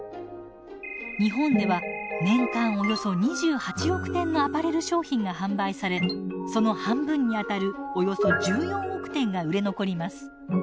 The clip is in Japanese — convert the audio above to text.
日本では年間およそ２８億点のアパレル商品が販売されその半分にあたるおよそ１４億点が売れ残ります。